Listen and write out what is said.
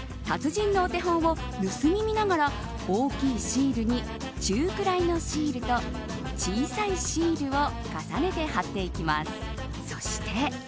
達人のお手本を盗み見ながら大きいシールに中ぐらいのシールと小さいシールを重ねて貼っていきます。